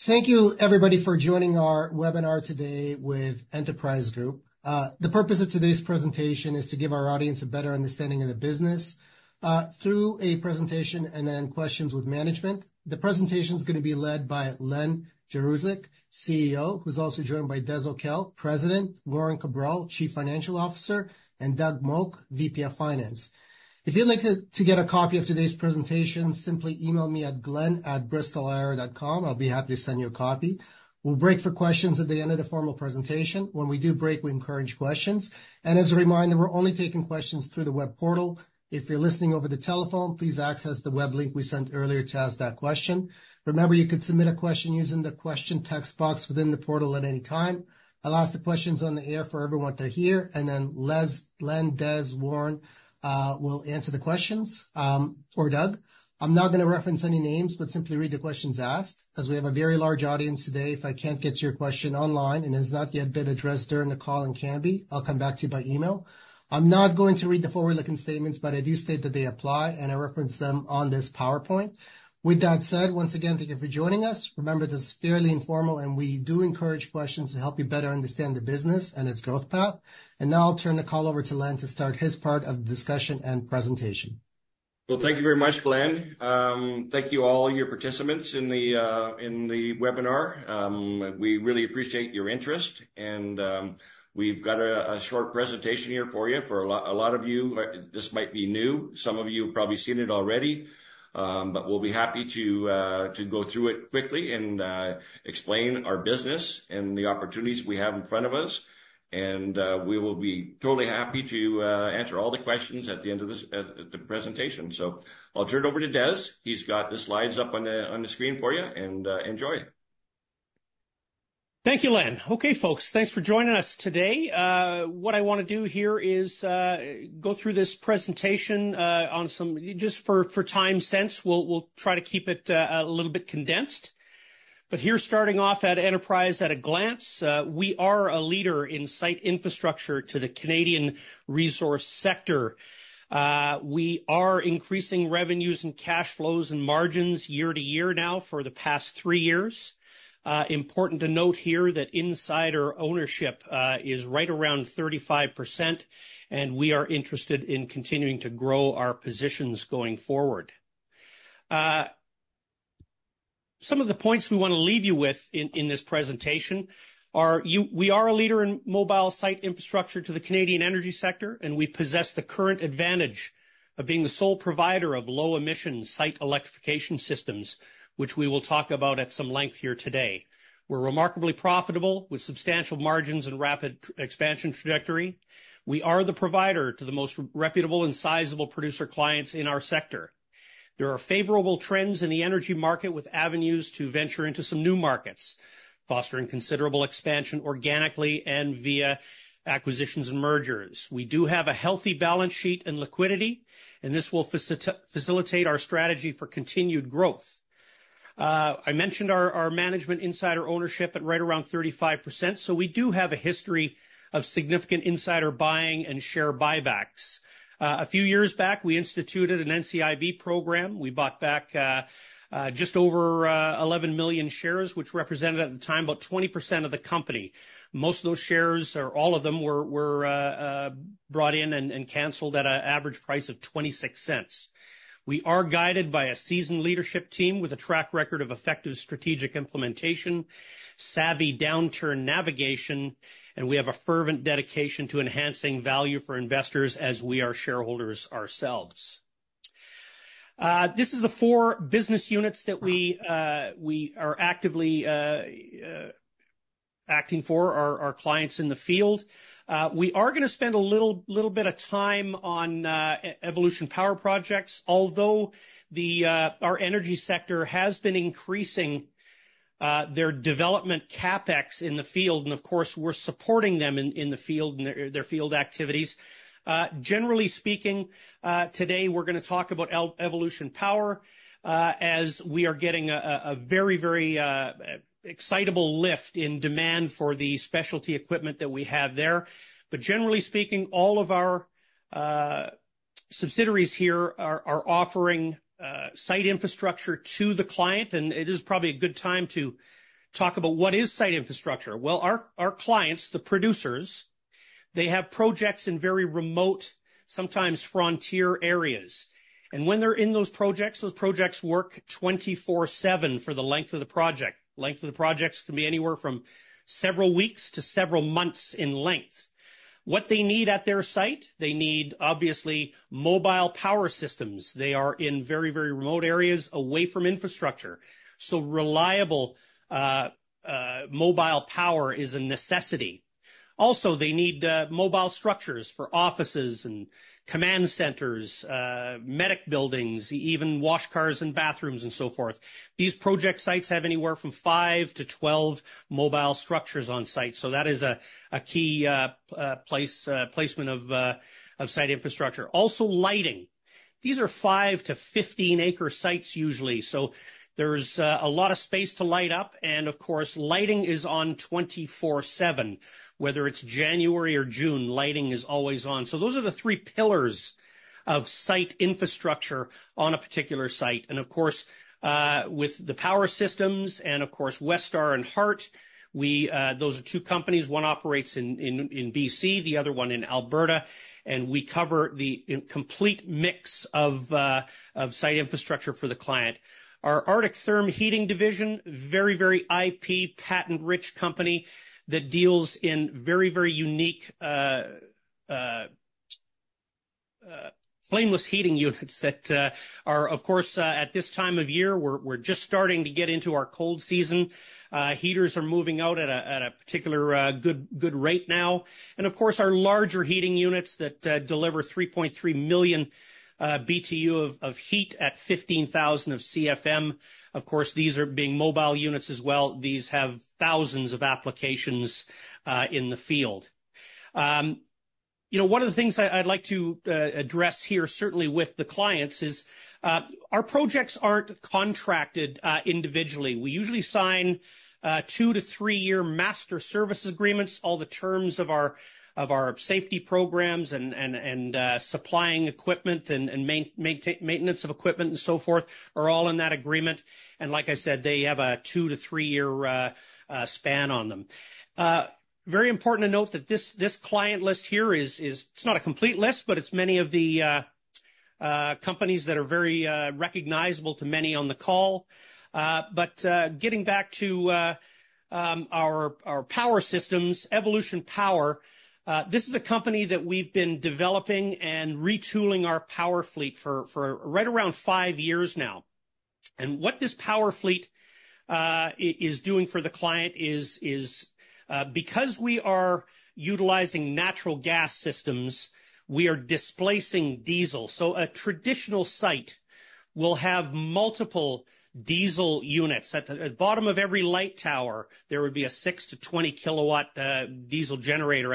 Thank you, everybody, for joining our webinar today with Enterprise Group. The purpose of today's presentation is to give our audience a better understanding of the business through a presentation and then questions with management. The presentation is going to be led by Len Jaroszuk, CEO, who's also joined by Desmond O'Kell, President, Warren Cabral, Chief Financial Officer, and Doug Moak, VP of Finance. If you'd like to get a copy of today's presentation, simply email me at glenn@bristolcapital.com. I'll be happy to send you a copy. We'll break for questions at the end of the formal presentation. When we do break, we encourage questions. And as a reminder, we're only taking questions through the web portal. If you're listening over the telephone, please access the web link we sent earlier to ask that question. Remember, you could submit a question using the question text box within the portal at any time. I'll ask the questions on the air for everyone that are here, and then Len, Des, Warren will answer the questions, or Doug. I'm not going to reference any names, but simply read the questions asked. As we have a very large audience today, if I can't get to your question online and it has not yet been addressed during the call-in Q&A, I'll come back to you by email. I'm not going to read the forward-looking statements, but I do state that they apply, and I referenced them on this PowerPoint. With that said, once again, thank you for joining us. Remember, this is fairly informal, and we do encourage questions to help you better understand the business and its growth path. Now I'll turn the call over to Len to start his part of the discussion and presentation. Thank you very much, Glen. Thank you all, your participants in the webinar. We really appreciate your interest, and we've got a short presentation here for you. For a lot of you, this might be new. Some of you have probably seen it already, but we'll be happy to go through it quickly and explain our business and the opportunities we have in front of us. We will be totally happy to answer all the questions at the end of the presentation. I'll turn it over to Des. He's got the slides up on the screen for you, and enjoy. Thank you, Len. Okay, folks, thanks for joining us today. What I want to do here is go through this presentation on some just for time's sake. We'll try to keep it a little bit condensed. But here, starting off at Enterprise at a glance, we are a leader in site infrastructure to the Canadian resource sector. We are increasing revenues and cash flows and margins year to year now for the past three years. Important to note here that insider ownership is right around 35%, and we are interested in continuing to grow our positions going forward. Some of the points we want to leave you with in this presentation are we are a leader in mobile site infrastructure to the Canadian energy sector, and we possess the current advantage of being the sole provider of low-emission site electrification systems, which we will talk about at some length here today. We're remarkably profitable with substantial margins and rapid expansion trajectory. We are the provider to the most reputable and sizable producer clients in our sector. There are favorable trends in the energy market with avenues to venture into some new markets, fostering considerable expansion organically and via acquisitions and mergers. We do have a healthy balance sheet and liquidity, and this will facilitate our strategy for continued growth. I mentioned our management insider ownership at right around 35%, so we do have a history of significant insider buying and share buybacks. A few years back, we instituted an NCIB program. We bought back just over 11 million shares, which represented at the time about 20% of the company. Most of those shares, or all of them, were brought in and canceled at an average price of 0.26. We are guided by a seasoned leadership team with a track record of effective strategic implementation, savvy downturn navigation, and we have a fervent dedication to enhancing value for investors as we are shareholders ourselves. This is the four business units that we are actively acting for, our clients in the field. We are going to spend a little bit of time on Evolution Power Projects, although our energy sector has been increasing their development CapEx in the field, and of course, we're supporting them in the field and their field activities. Generally speaking, today we're going to talk about Evolution Power as we are getting a very, very excitable lift in demand for the specialty equipment that we have there, but generally speaking, all of our subsidiaries here are offering site infrastructure to the client, and it is probably a good time to talk about what is site infrastructure. Our clients, the producers, they have projects in very remote, sometimes frontier areas, and when they're in those projects, those projects work 24/7 for the length of the project. Length of the projects can be anywhere from several weeks to several months in length. What they need at their site, they need obviously mobile power systems. They are in very, very remote areas away from infrastructure, so reliable mobile power is a necessity. Also, they need mobile structures for offices and command centers, medic buildings, even wash cars and bathrooms, and so forth. These project sites have anywhere from five to 12 mobile structures on site. So that is a key placement of site infrastructure. Also, lighting. These are five to 15-acre sites usually. So there's a lot of space to light up. And of course, lighting is on 24/7. Whether it's January or June, lighting is always on. So those are the three pillars of site infrastructure on a particular site. And of course, with the power systems and of course, Westar and Hart, those are two companies. One operates in BC, the other one in Alberta. And we cover the complete mix of site infrastructure for the client. Our Artic Therm Heating Division, very, very IP, patent-rich company that deals in very, very unique flameless heating units that are, of course, at this time of year, we're just starting to get into our cold season. Heaters are moving out at a particularly good rate now. And of course, our larger heating units that deliver 3.3 million BTU of heat at 15,000 CFM. Of course, these are being mobile units as well. These have thousands of applications in the field. One of the things I'd like to address here, certainly with the clients, is our projects aren't contracted individually. We usually sign two- to three-year master service agreements. All the terms of our safety programs and supplying equipment and maintenance of equipment and so forth are all in that agreement. And like I said, they have a two- to three-year span on them. Very important to note that this client list here is, it's not a complete list, but it's many of the companies that are very recognizable to many on the call. But getting back to our power systems, Evolution Power, this is a company that we've been developing and retooling our power fleet for right around five years now. And what this power fleet is doing for the client is because we are utilizing natural gas systems, we are displacing diesel. So a traditional site will have multiple diesel units. At the bottom of every light tower, there would be a six- to 20-kilowatt diesel generator.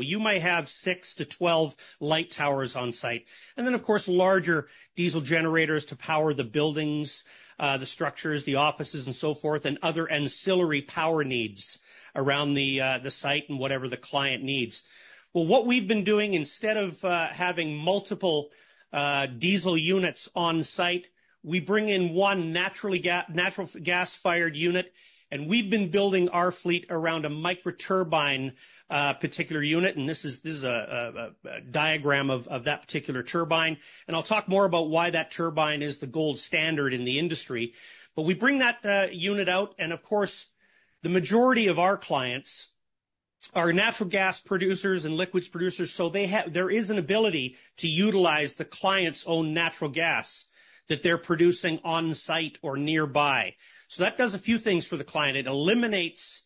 You might have six to 12 light towers on site. And then, of course, larger diesel generators to power the buildings, the structures, the offices, and so forth, and other ancillary power needs around the site and whatever the client needs. Well, what we've been doing, instead of having multiple diesel units on site, we bring in one natural gas-fired unit. And we've been building our fleet around a microturbine particular unit. And this is a diagram of that particular turbine. And I'll talk more about why that turbine is the gold standard in the industry. But we bring that unit out. And of course, the majority of our clients are natural gas producers and liquids producers. So there is an ability to utilize the client's own natural gas that they're producing on site or nearby. So that does a few things for the client. It eliminates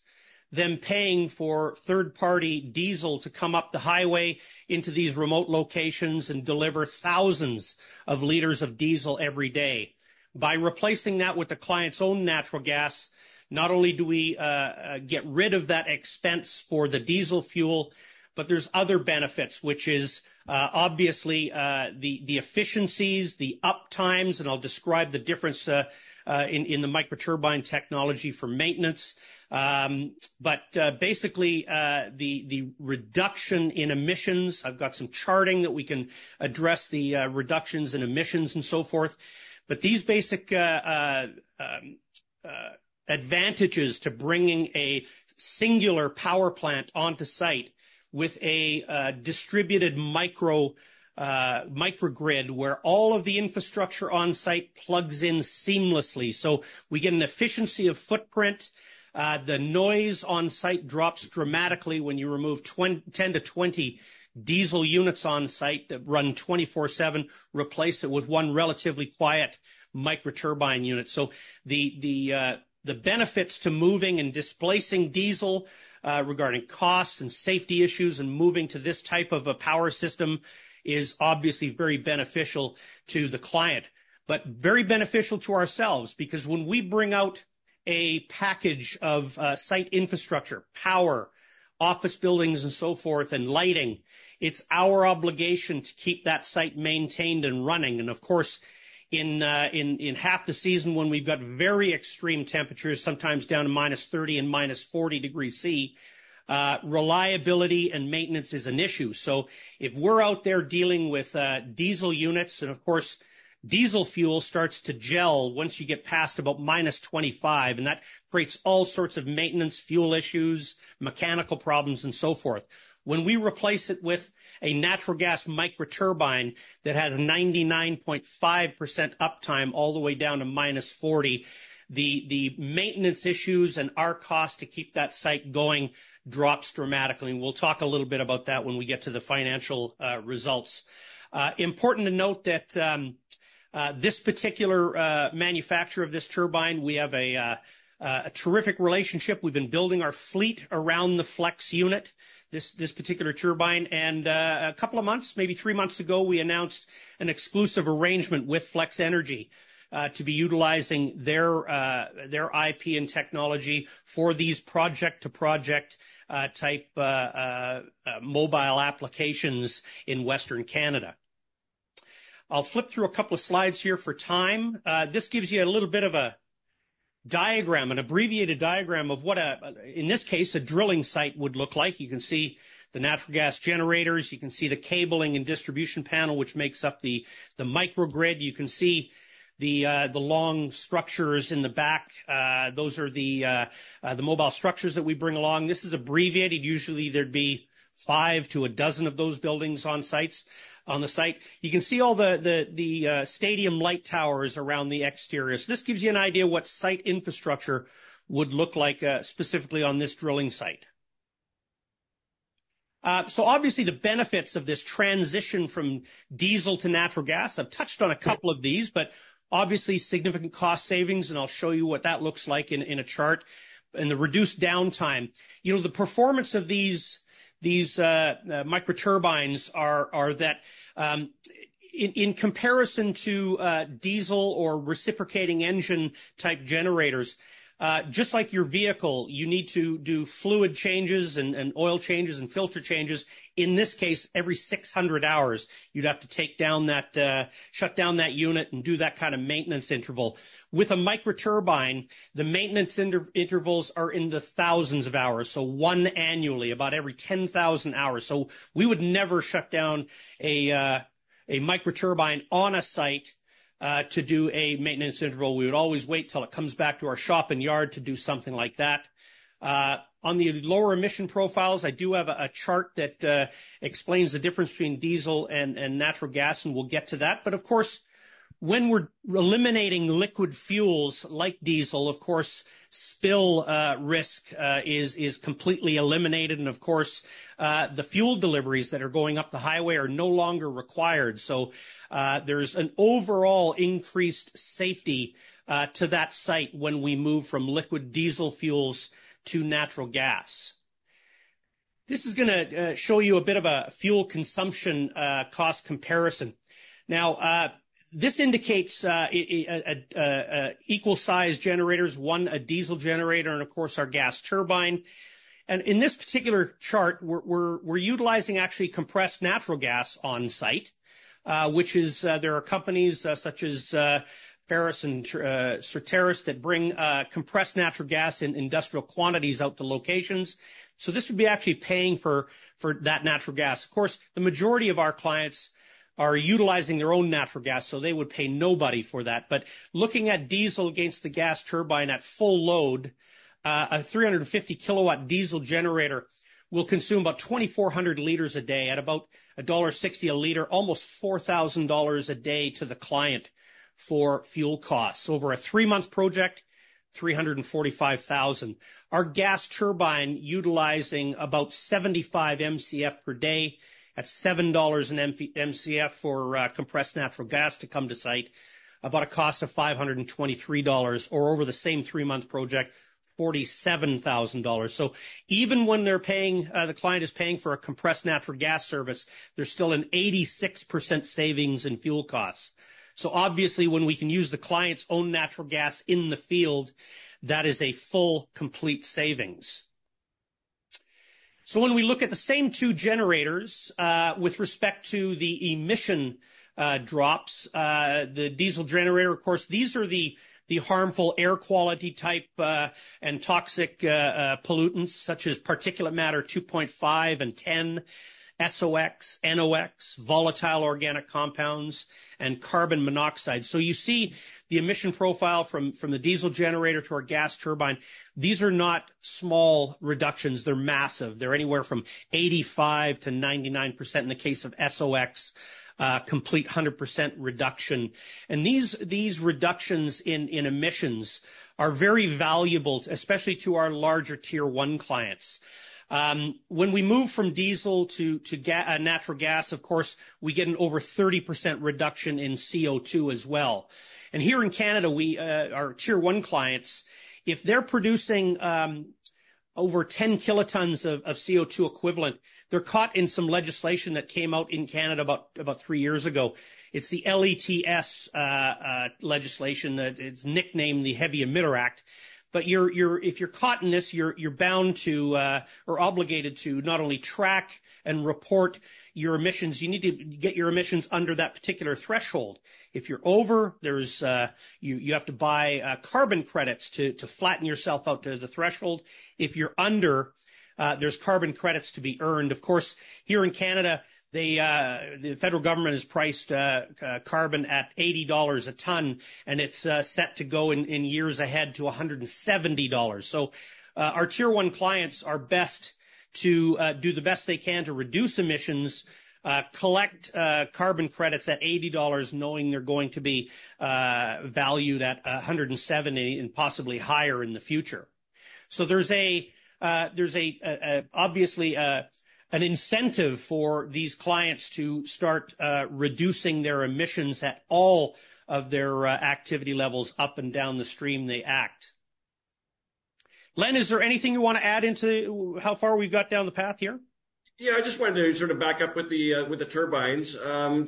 them paying for third-party diesel to come up the highway into these remote locations and deliver thousands of liters of diesel every day. By replacing that with the client's own natural gas, not only do we get rid of that expense for the diesel fuel, but there's other benefits, which is obviously the efficiencies, the uptimes, and I'll describe the difference in the microturbine technology for maintenance. But basically, the reduction in emissions. I've got some charting that we can address the reductions in emissions and so forth. But these basic advantages to bringing a singular power plant onto site with a distributed microgrid where all of the infrastructure on site plugs in seamlessly. So we get an efficiency of footprint. The noise on site drops dramatically when you remove 10 to 20 diesel units on site that run 24/7, replace it with one relatively quiet microturbine unit. So the benefits to moving and displacing diesel regarding costs and safety issues and moving to this type of a power system is obviously very beneficial to the client, but very beneficial to ourselves because when we bring out a package of site infrastructure, power, office buildings, and so forth, and lighting, it's our obligation to keep that site maintained and running, and of course, in half the season when we've got very extreme temperatures, sometimes down to minus 30 and minus 40 degrees Celsius, reliability and maintenance is an issue, so if we're out there dealing with diesel units, and of course, diesel fuel starts to gel once you get past about minus 25, and that creates all sorts of maintenance fuel issues, mechanical problems, and so forth. When we replace it with a natural gas microturbine that has a 99.5% uptime all the way down to minus 40, the maintenance issues and our cost to keep that site going drops dramatically. We'll talk a little bit about that when we get to the financial results. Important to note that this particular manufacturer of this turbine, we have a terrific relationship. We've been building our fleet around the Flex unit, this particular turbine. And a couple of months, maybe three months ago, we announced an exclusive arrangement with FlexEnergy to be utilizing their IP and technology for these project-to-project type mobile applications in Western Canada. I'll flip through a couple of slides here for time. This gives you a little bit of a diagram, an abbreviated diagram of what, in this case, a drilling site would look like. You can see the natural gas generators. You can see the cabling and distribution panel, which makes up the microgrid. You can see the long structures in the back. Those are the mobile structures that we bring along. This is abbreviated. Usually, there'd be five to a dozen of those buildings on site. You can see all the stadium light towers around the exterior, so this gives you an idea of what site infrastructure would look like specifically on this drilling site, so obviously, the benefits of this transition from diesel to natural gas. I've touched on a couple of these, but obviously, significant cost savings, and I'll show you what that looks like in a chart, and the reduced downtime. The performance of these microturbines are that in comparison to diesel or reciprocating engine type generators, just like your vehicle, you need to do fluid changes and oil changes and filter changes. In this case, every 600 hours, you'd have to take down that, shut down that unit and do that kind of maintenance interval. With a microturbine, the maintenance intervals are in the thousands of hours, so one annually, about every 10,000 hours, so we would never shut down a microturbine on a site to do a maintenance interval. We would always wait until it comes back to our shop and yard to do something like that. On the lower emission profiles, I do have a chart that explains the difference between diesel and natural gas, and we'll get to that, but of course, when we're eliminating liquid fuels like diesel, of course, spill risk is completely eliminated, and of course, the fuel deliveries that are going up the highway are no longer required. So there's an overall increased safety to that site when we move from liquid diesel fuels to natural gas. This is going to show you a bit of a fuel consumption cost comparison. Now, this indicates equal-sized generators, one a diesel generator, and of course, our gas turbine, and in this particular chart, we're utilizing actually compressed natural gas on site, which is, there are companies such as Ferus and Certarus that bring compressed natural gas in industrial quantities out to locations, so this would be actually paying for that natural gas. Of course, the majority of our clients are utilizing their own natural gas, so they would pay nobody for that, but looking at diesel against the gas turbine at full load, a 350 kilowatt diesel generator will consume about 2,400 liters a day at about CAD 1.60 a liter, almost CAD 4,000 a day to the client for fuel costs. Over a three-month project, CAD 345,000. Our gas turbine utilizing about 75 Mcf per day at 7 dollars an Mcf for compressed natural gas to come to site, about a cost of 523 dollars, or over the same three-month project, 47,000 dollars, so even when the client is paying for a compressed natural gas service, there's still an 86% savings in fuel costs. Obviously, when we can use the client's own natural gas in the field, that is a full complete savings, so when we look at the same two generators with respect to the emission drops, the diesel generator, of course, these are the harmful air quality type and toxic pollutants such as particulate matter 2.5 and 10, SOx, NOx, volatile organic compounds, and carbon monoxide. You see the emission profile from the diesel generator to our gas turbine. These are not small reductions. They're massive. They're anywhere from 85%-99% in the case of SOx, complete 100% reduction, and these reductions in emissions are very valuable, especially to our larger tier one clients. When we move from diesel to natural gas, of course, we get an over 30% reduction in CO2 as well, and here in Canada, our tier one clients, if they're producing over 10 kilotons of CO2 equivalent, they're caught in some legislation that came out in Canada about three years ago. It's the TIER legislation. It's nicknamed the Heavy Emitter Act, but if you're caught in this, you're bound to or obligated to not only track and report your emissions, you need to get your emissions under that particular threshold. If you're over, you have to buy carbon credits to flatten yourself out to the threshold. If you're under, there's carbon credits to be earned. Of course, here in Canada, the federal government has priced carbon at 80 dollars a ton, and it's set to go in years ahead to 170 dollars. So our tier one clients are best to do the best they can to reduce emissions, collect carbon credits at 80 dollars, knowing they're going to be valued at 170 and possibly higher in the future. So there's obviously an incentive for these clients to start reducing their emissions at all of their activity levels up and down the stream they act. Len, is there anything you want to add into how far we've got down the path here? Yeah, I just wanted to sort of back up with the turbines.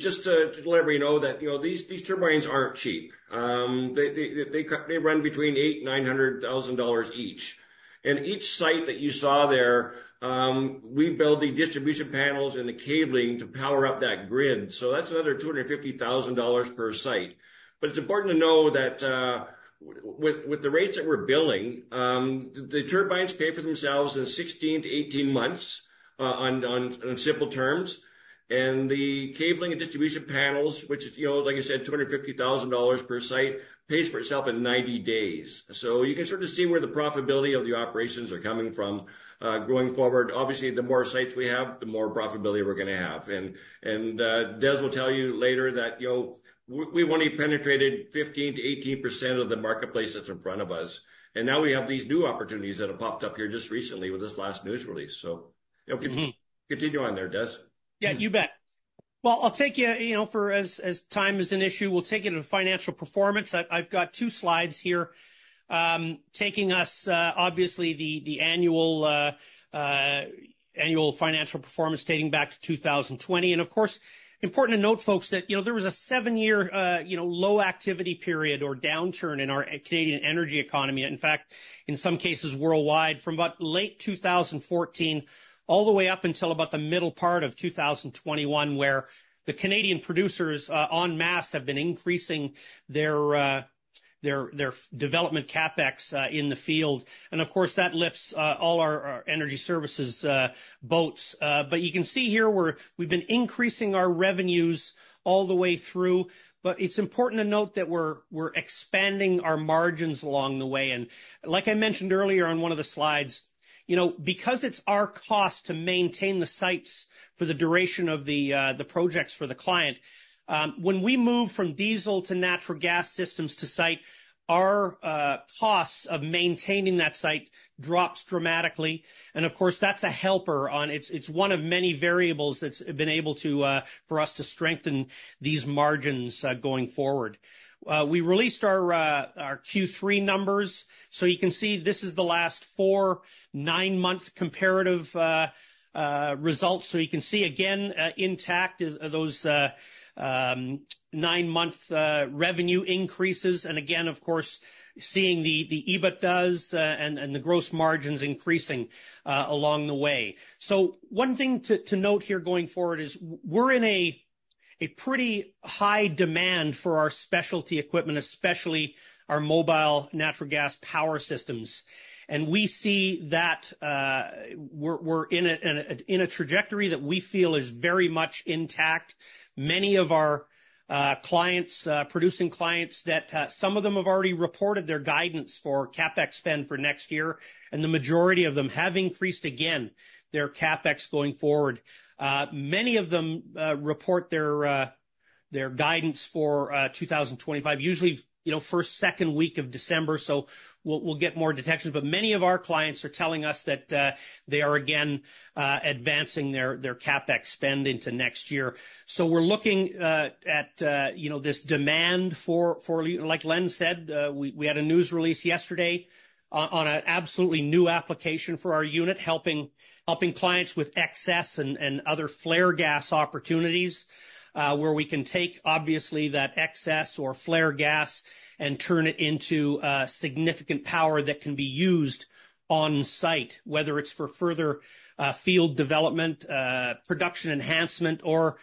Just to let everyone know that these turbines aren't cheap. They run between 800,000 dollars and 900,000 dollars each. Each site that you saw there, we build the distribution panels and the cabling to power up that grid. That's another 250,000 dollars per site. It's important to know that with the rates that we're billing, the turbines pay for themselves in 16-18 months on simple terms. The cabling and distribution panels, which, like I said, 250,000 dollars per site, pays for itself in 90 days. You can sort of see where the profitability of the operations are coming from going forward. Obviously, the more sites we have, the more profitability we're going to have. Des will tell you later that we've only penetrated 15%-18% of the marketplace that's in front of us. Now we have these new opportunities that have popped up here just recently with this last news release. Continue on there, Des. Yeah, you bet. I'll take you forward as time is an issue. We'll take it to financial performance. I've got two slides here taking us, obviously, through the annual financial performance dating back to 2020. Of course, it's important to note, folks, that there was a seven-year low activity period or downturn in our Canadian energy economy. In fact, in some cases worldwide, from about late 2014 all the way up until about the middle part of 2021, the Canadian producers en masse have been increasing their development CapEx in the field. Of course, that lifts all our energy services boats. You can see here we've been increasing our revenues all the way through. It's important to note that we're expanding our margins along the way. Like I mentioned earlier on one of the slides, because it's our cost to maintain the sites for the duration of the projects for the client, when we move from diesel to natural gas systems to site, our costs of maintaining that site drops dramatically. Of course, that's a helper. It's one of many variables that's been able for us to strengthen these margins going forward. We released our Q3 numbers. You can see this is the last four nine-month comparative results. You can see again intact those nine-month revenue increases. Again, of course, seeing the EBITDAs and the gross margins increasing along the way. One thing to note here going forward is we're in a pretty high demand for our specialty equipment, especially our mobile natural gas power systems. We see that we're in a trajectory that we feel is very much intact. Many of our clients, producing clients, that some of them have already reported their guidance for CapEx spend for next year. The majority of them have increased again their CapEx going forward. Many of them report their guidance for 2025, usually first, second week of December. We'll get more detections. Many of our clients are telling us that they are again advancing their CapEx spend into next year. We're looking at this demand for, like Len said, we had a news release yesterday on an absolutely new application for our unit, helping clients with excess and other flare gas opportunities where we can take, obviously, that excess or flare gas and turn it into significant power that can be used on site, whether it's for further field development, production enhancement, or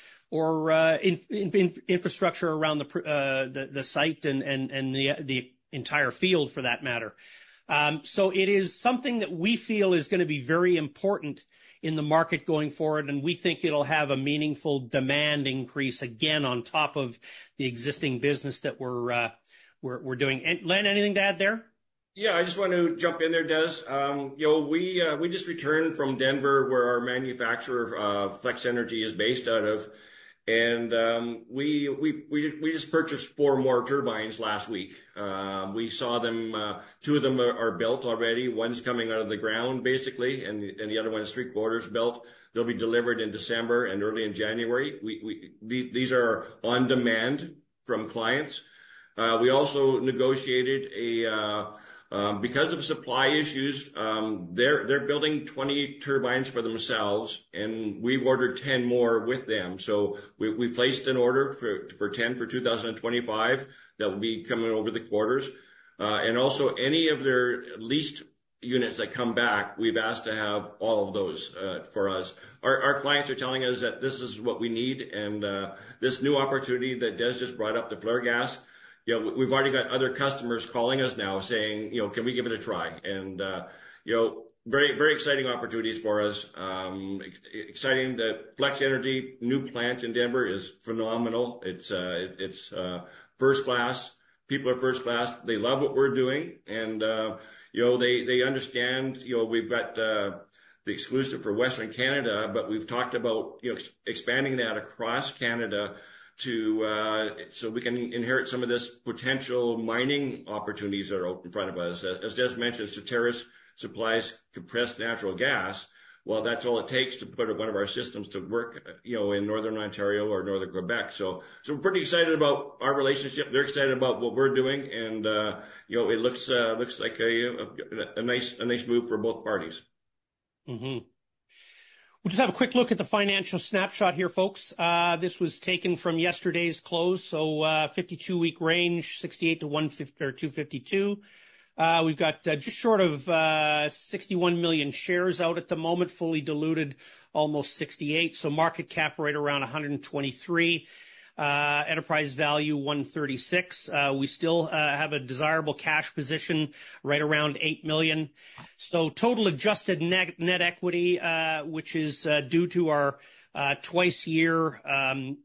infrastructure around the site and the entire field for that matter. It is something that we feel is going to be very important in the market going forward. We think it'll have a meaningful demand increase again on top of the existing business that we're doing. Len, anything to add there? Yeah, I just want to jump in there, Des. We just returned from Denver, where our manufacturer of Flex Energy is based out of. We just purchased four more turbines last week. We saw two of them are built already. One's coming out of the ground, basically, and the other one is structurally built. They'll be delivered in December and early in January. These are on demand from clients. We also negotiated, because of supply issues, they're building 20 turbines for themselves, and we've ordered 10 more with them. So we placed an order for 10 for 2025 that will be coming over the quarters. And also, any of their leased units that come back, we've asked to have all of those for us. Our clients are telling us that this is what we need. And this new opportunity that Des just brought up, the flare gas, we've already got other customers calling us now saying, "Can we give it a try?" And very exciting opportunities for us. Exciting. The Flex Energy new plant in Denver is phenomenal. It's first-class. People are first-class. They love what we're doing, and they understand we've got the exclusive for Western Canada, but we've talked about expanding that across Canada so we can inherit some of this potential mining opportunities that are in front of us. As Des mentioned, Certarus's supplies compressed natural gas. Well, that's all it takes to put one of our systems to work in Northern Ontario or Northern Quebec, so we're pretty excited about our relationship. They're excited about what we're doing, and it looks like a nice move for both parties. We'll just have a quick look at the financial snapshot here, folks. This was taken from yesterday's close, so 52-week range, 0.68-2.52. We've got just short of 61 million shares out at the moment, fully diluted, almost 68 million. So market cap right around 123 million. Enterprise value 136 million. We still have a desirable cash position right around 8 million. So total adjusted net equity, which is due to our twice-yearly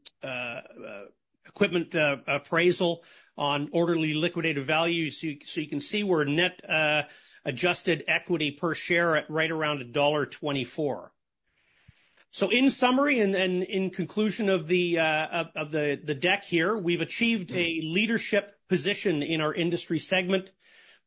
equipment appraisal on orderly liquidation value. So you can see we're net adjusted equity per share right around dollar 1.24. So in summary and in conclusion of the deck here, we've achieved a leadership position in our industry segment,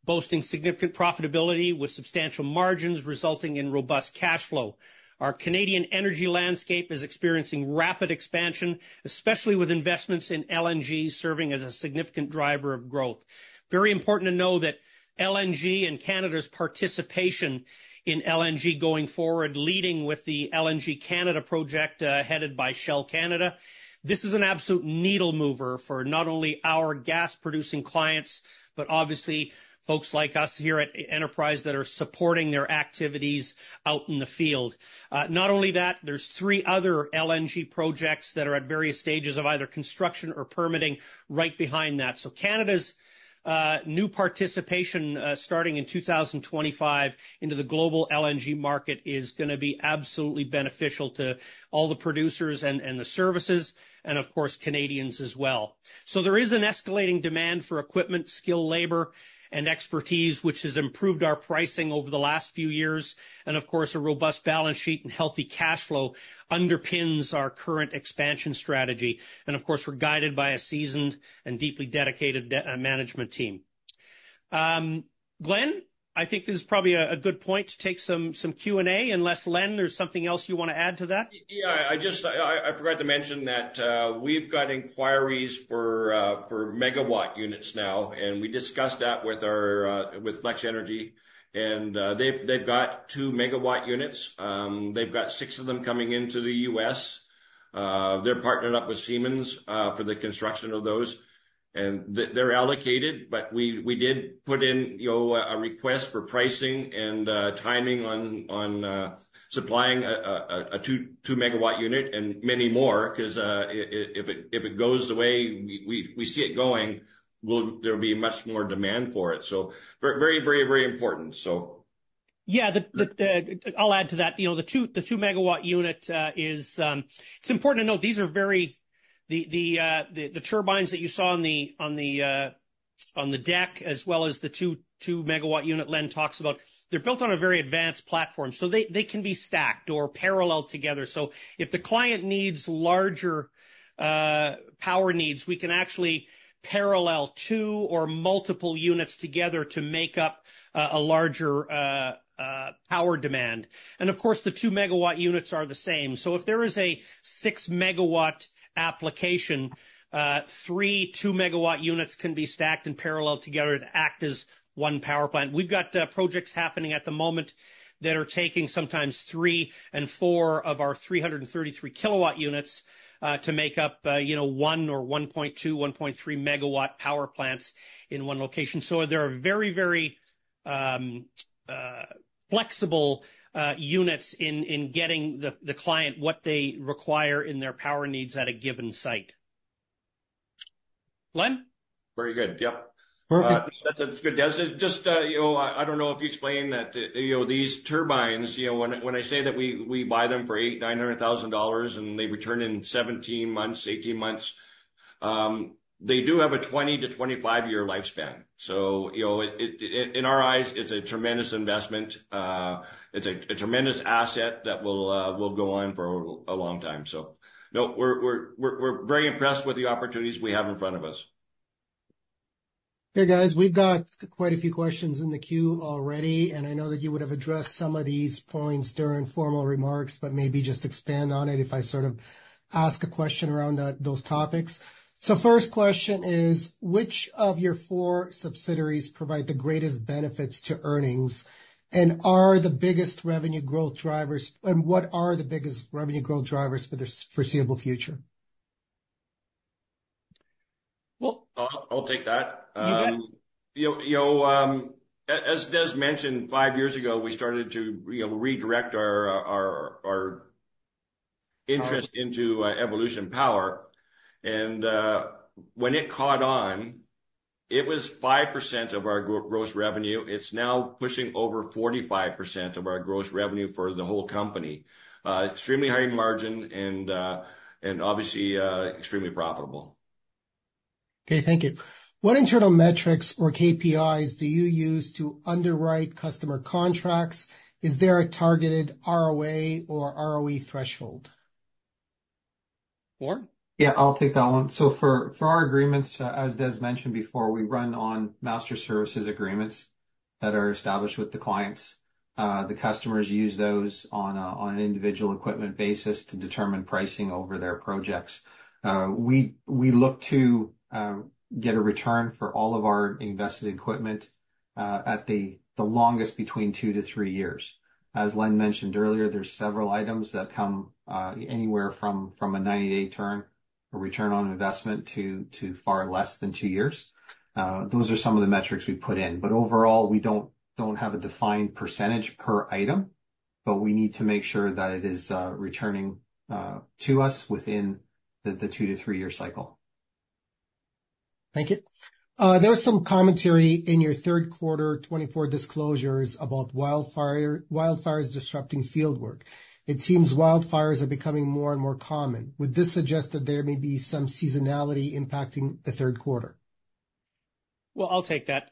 boasting significant profitability with substantial margins resulting in robust cash flow. Our Canadian energy landscape is experiencing rapid expansion, especially with investments in LNG serving as a significant driver of growth. Very important to know that LNG and Canada's participation in LNG going forward, leading with the LNG Canada project headed by Shell Canada. This is an absolute needle mover for not only our gas-producing clients, but obviously folks like us here at Enterprise that are supporting their activities out in the field. Not only that, there's three other LNG projects that are at various stages of either construction or permitting right behind that. So Canada's new participation starting in 2025 into the global LNG market is going to be absolutely beneficial to all the producers and the services, and of course, Canadians as well. So there is an escalating demand for equipment, skilled labor, and expertise, which has improved our pricing over the last few years. And of course, a robust balance sheet and healthy cash flow underpins our current expansion strategy. And of course, we're guided by a seasoned and deeply dedicated management team. Glen, I think this is probably a good point to take some Q&A. Unless, Len, there's something else you want to add to that? Yeah, I forgot to mention that we've got inquiries for megawatt units now. And we discussed that with Flex Energy. They've got two-megawatt units. They've got six of them coming into the U.S. They're partnered up with Siemens for the construction of those. They're allocated, but we did put in a request for pricing and timing on supplying a two-megawatt unit and many more because if it goes the way we see it going, there'll be much more demand for it. Very, very, very important, so. Yeah, I'll add to that. The two-megawatt unit is. It's important to note these are the very turbines that you saw on the deck, as well as the two-megawatt unit Len talks about. They're built on a very advanced platform. They can be stacked or parallel together. If the client needs larger power needs, we can actually parallel two or multiple units together to make up a larger power demand. Of course, the two-megawatt units are the same. So if there is a six-megawatt application, three two-megawatt units can be stacked and paralleled together to act as one power plant. We've got projects happening at the moment that are taking sometimes three and four of our 333-kilowatt units to make up one or 1.2, 1.3 megawatt power plants in one location. So there are very, very flexible units in getting the client what they require in their power needs at a given site. Glen? Very good. Yep. Perfect. That's good. Des, just, I don't know if you explained that these turbines, when I say that we buy them for 800,000-900,000 dollars and they return in 17 months, 18 months, they do have a 20- to 25-year lifespan. So in our eyes, it's a tremendous investment. It's a tremendous asset that will go on for a long time, so no, we're very impressed with the opportunities we have in front of us. Hey, guys, we've got quite a few questions in the queue already, and I know that you would have addressed some of these points during formal remarks, but maybe just expand on it if I sort of ask a question around those topics, so first question is, which of your four subsidiaries provide the greatest benefits to earnings? And are the biggest revenue growth drivers? And what are the biggest revenue growth drivers for the foreseeable future? Well, I'll take that. As Des mentioned, five years ago, we started to redirect our interest into Evolution Power. And when it caught on, it was 5% of our gross revenue. It's now pushing over 45% of our gross revenue for the whole company. Extremely high margin and obviously extremely profitable. Okay. Thank you. What internal metrics or KPIs do you use to underwrite customer contracts? Is there a targeted ROA or ROE threshold? Or? Yeah, I'll take that one. So for our agreements, as Des mentioned before, we run on master services agreements that are established with the clients. The customers use those on an individual equipment basis to determine pricing over their projects. We look to get a return for all of our invested equipment at the longest between two to three years. As Len mentioned earlier, there's several items that come anywhere from a 90-day turn or return on investment to far less than two years. Those are some of the metrics we put in. But overall, we don't have a defined percentage per item, but we need to make sure that it is returning to us within the two- to three-year cycle. Thank you. There was some commentary in your third quarter 2024 disclosures about wildfires disrupting fieldwork. It seems wildfires are becoming more and more common. Would this suggest that there may be some seasonality impacting the third quarter? Well, I'll take that.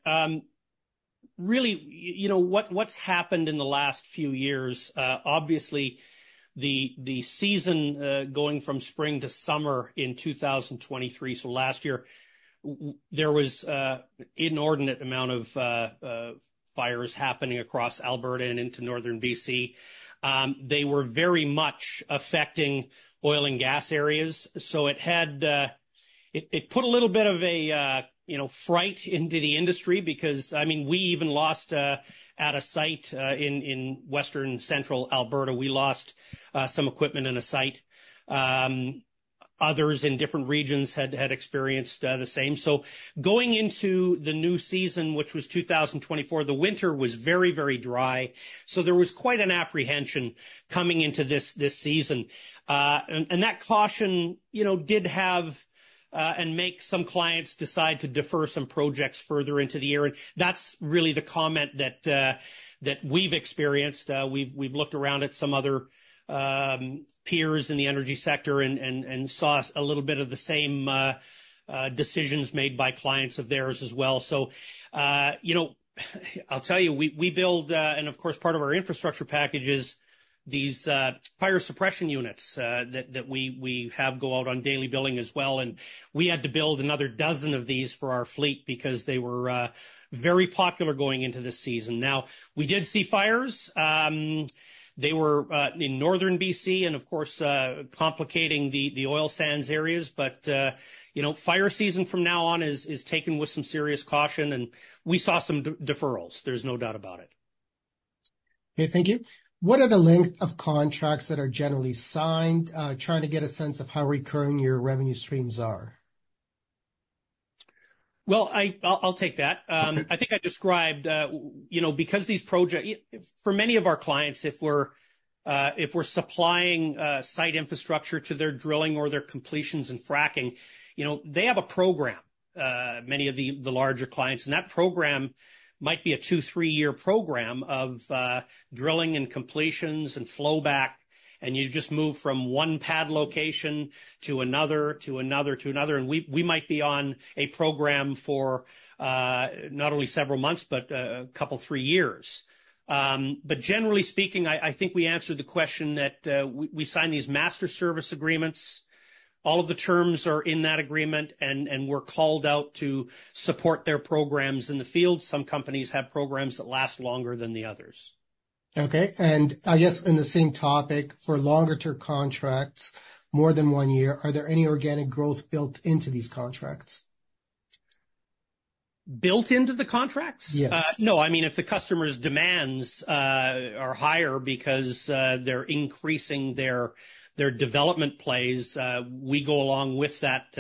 Really, what's happened in the last few years? Obviously, the season going from spring to summer in 2023, so last year, there was an inordinate amount of fires happening across Alberta and into northern BC. They were very much affecting oil and gas areas. So it put a little bit of a fright into the industry because, I mean, we even lost at a site in western central Alberta. We lost some equipment in a site. Others in different regions had experienced the same. So going into the new season, which was 2024, the winter was very, very dry. So there was quite an apprehension coming into this season. And that caution did have and make some clients decide to defer some projects further into the year. And that's really the comment that we've experienced. We've looked around at some other peers in the energy sector and saw a little bit of the same decisions made by clients of theirs as well. So I'll tell you, we build, and of course, part of our infrastructure package is these fire suppression units that we have go out on daily billing as well. And we had to build another dozen of these for our fleet because they were very popular going into this season. Now, we did see fires. They were in northern BC and, of course, complicating the oil sands areas. But fire season from now on is taken with some serious caution. And we saw some deferrals. There's no doubt about it. Okay. Thank you. What are the length of contracts that are generally signed? Trying to get a sense of how recurring your revenue streams are. Well, I'll take that. I think I described because these projects for many of our clients, if we're supplying site infrastructure to their drilling or their completions and fracking, they have a program, many of the larger clients. And that program might be a two, three-year program of drilling and completions and flowback. And you just move from one pad location to another to another to another. And we might be on a program for not only several months, but a couple, three years. But generally speaking, I think we answered the question that we sign these master service agreements. All of the terms are in that agreement, and we're called out to support their programs in the field. Some companies have programs that last longer than the others. Okay. And I guess in the same topic, for longer-term contracts, more than one year, are there any organic growth built into these contracts? Built into the contracts? Yes. No. I mean, if the customer's demands are higher because they're increasing their development plays, we go along with that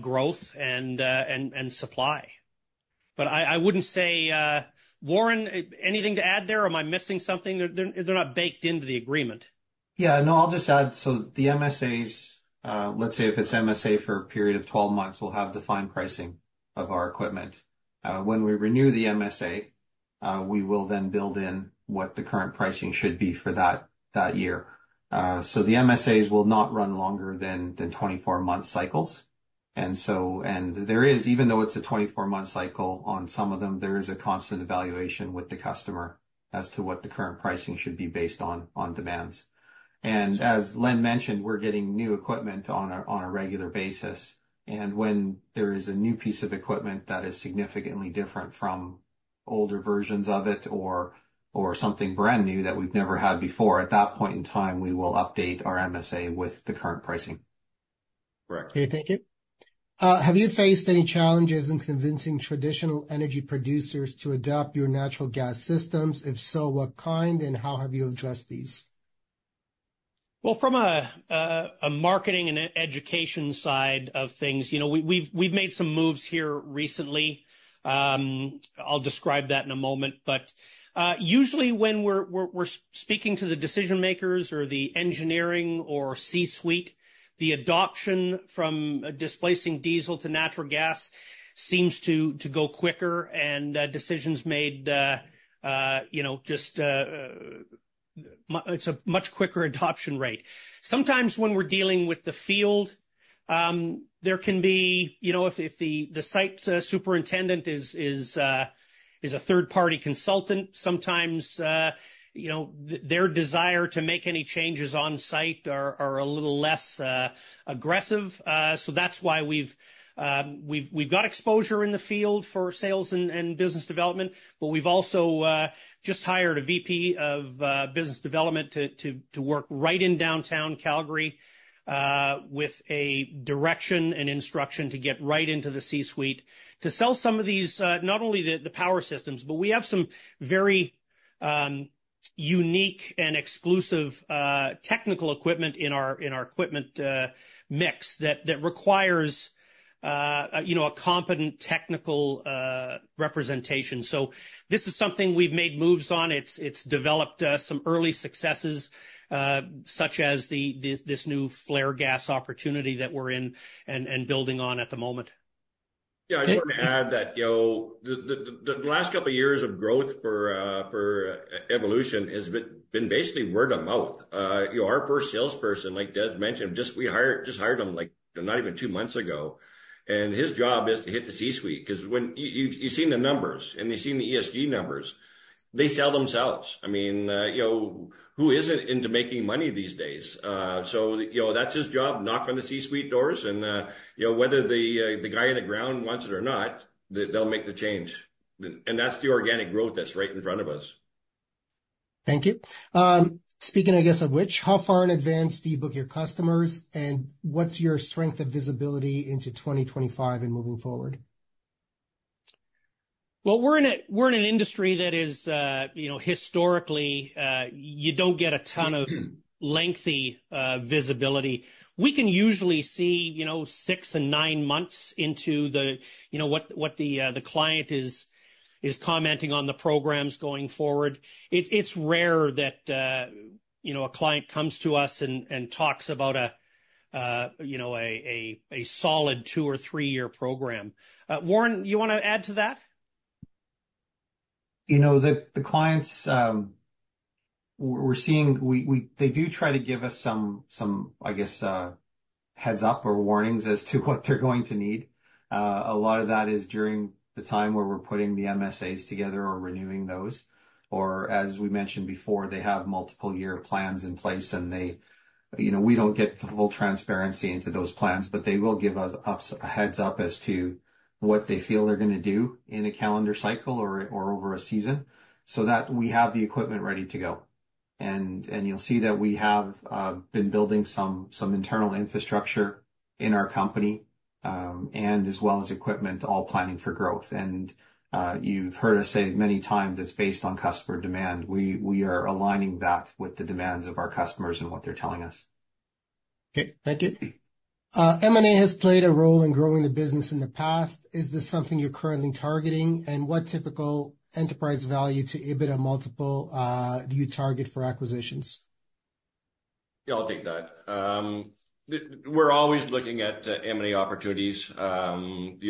growth and supply. But I wouldn't say, Warren, anything to add there? Am I missing something? They're not baked into the agreement. Yeah. No, I'll just add so the MSAs, let's say if it's MSA for a period of 12 months, we'll have defined pricing of our equipment. When we renew the MSA, we will then build in what the current pricing should be for that year. So the MSAs will not run longer than 24-month cycles. And there is, even though it's a 24-month cycle on some of them, there is a constant evaluation with the customer as to what the current pricing should be based on demands. And as Len mentioned, we're getting new equipment on a regular basis. And when there is a new piece of equipment that is significantly different from older versions of it or something brand new that we've never had before, at that point in time, we will update our MSA with the current pricing. Correct. Okay. Thank you. Have you faced any challenges in convincing traditional energy producers to adopt your natural gas systems? If so, what kind, and how have you addressed these? From a marketing and education side of things, we've made some moves here recently. I'll describe that in a moment. But usually, when we're speaking to the decision-makers or the engineering or C-suite, the adoption from displacing diesel to natural gas seems to go quicker. And decisions made just it's a much quicker adoption rate. Sometimes when we're dealing with the field, there can be, if the site superintendent is a third-party consultant, sometimes their desire to make any changes on site are a little less aggressive. So that's why we've got exposure in the field for sales and business development. But we've also just hired a VP of business development to work right in downtown Calgary with a direction and instruction to get right into the C-suite to sell some of these, not only the power systems, but we have some very unique and exclusive technical equipment in our equipment mix that requires a competent technical representation, so this is something we've made moves on. It's developed some early successes, such as this new flare gas opportunity that we're in and building on at the moment. Yeah. I just want to add that the last couple of years of growth for Evolution has been basically word of mouth. Our first salesperson, like Des mentioned, just hired him not even two months ago, and his job is to hit the C-suite because you've seen the numbers, and you've seen the ESG numbers. They sell themselves. I mean, who isn't into making money these days? So that's his job, knock on the C-suite doors. And whether the guy on the ground wants it or not, they'll make the change. And that's the organic growth that's right in front of us. Thank you. Speaking, I guess, of which, how far in advance do you book your customers, and what's your strength of visibility into 2025 and moving forward? Well, we're in an industry that is historically you don't get a ton of lengthy visibility. We can usually see six and nine months into what the client is commenting on the programs going forward. It's rare that a client comes to us and talks about a solid two or three-year program. Warren, you want to add to that? The clients, they do try to give us some, I guess, heads-up or warnings as to what they're going to need. A lot of that is during the time where we're putting the MSAs together or renewing those. Or as we mentioned before, they have multiple-year plans in place, and we don't get the full transparency into those plans, but they will give us a heads-up as to what they feel they're going to do in a calendar cycle or over a season so that we have the equipment ready to go. And you'll see that we have been building some internal infrastructure in our company and as well as equipment, all planning for growth. And you've heard us say many times it's based on customer demand. We are aligning that with the demands of our customers and what they're telling us. Okay. Thank you. M&A has played a role in growing the business in the past. Is this something you're currently targeting? And what typical enterprise value to EBITDA multiple do you target for acquisitions? Yeah, I'll take that. We're always looking at M&A opportunities. There's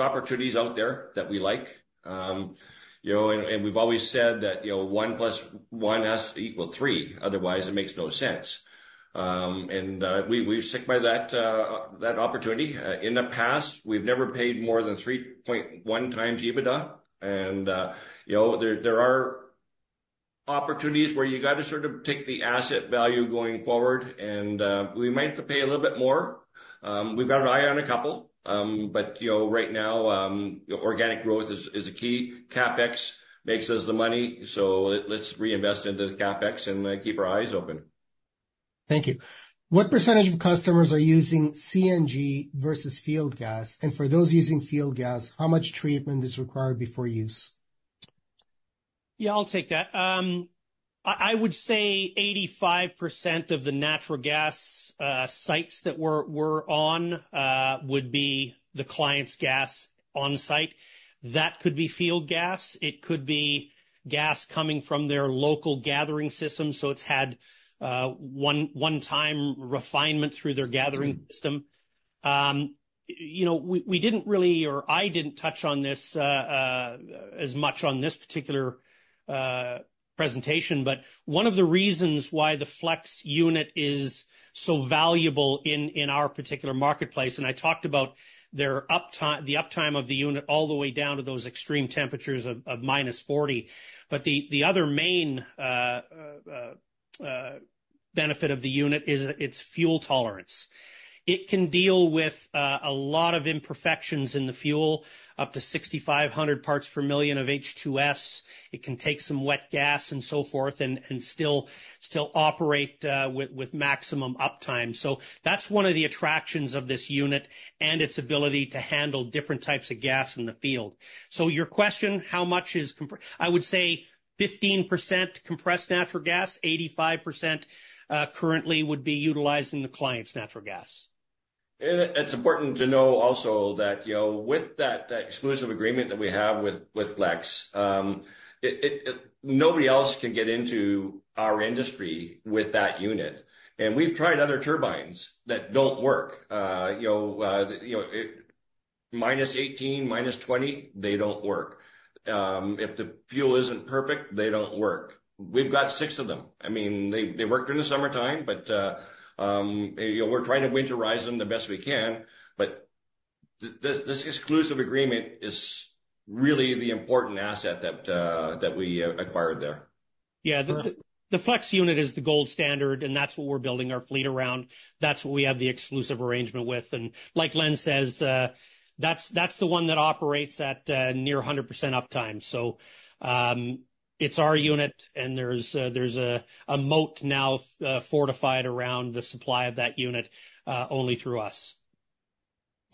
opportunities out there that we like. We've always said that one plus one equals three. Otherwise, it makes no sense. We're stick by that opportunity. In the past, we've never paid more than 3.1 times EBITDA. There are opportunities where you got to sort of take the asset value going forward. We might have to pay a little bit more. We've got an eye on a couple. Right now, organic growth is a key. CapEx makes us the money. Let's reinvest into the CapEx and keep our eyes open. Thank you. What percentage of customers are using CNG versus field gas? For those using field gas, how much treatment is required before use? Yeah, I'll take that. I would say 85% of the natural gas sites that we're on would be the client's gas on-site. That could be field gas. It could be gas coming from their local gathering system. So it's had one-time refinement through their gathering system. We didn't really or I didn't touch on this as much on this particular presentation. But one of the reasons why the Flex unit is so valuable in our particular marketplace and I talked about the uptime of the unit all the way down to those extreme temperatures of minus 40 degrees Celsius. But the other main benefit of the unit is its fuel tolerance. It can deal with a lot of imperfections in the fuel, up to 6,500 parts per million of H2S. It can take some wet gas and so forth and still operate with maximum uptime. So that's one of the attractions of this unit and its ability to handle different types of gas in the field. So your question, how much, I would say 15% compressed natural gas, 85% currently would be utilizing the client's natural gas. It's important to know also that with that exclusive agreement that we have with Flex, nobody else can get into our industry with that unit. And we've tried other turbines that don't work. Minus 18, minus 20, they don't work. If the fuel isn't perfect, they don't work. We've got six of them. I mean, they worked during the summertime, but we're trying to winterize them the best we can. But this exclusive agreement is really the important asset that we acquired there. Yeah. The Flex unit is the gold standard, and that's what we're building our fleet around. That's what we have the exclusive arrangement with. And like Len says, that's the one that operates at near 100% uptime. So it's our unit, and there's a moat now fortified around the supply of that unit only through us.